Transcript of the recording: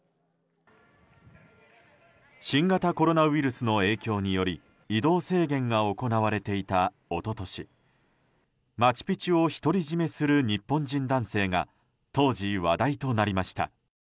新型コロナウイルスの影響により移動制限が行われていた一昨年マチュピチュを独り占めする日本人男性が当時、話題となりました。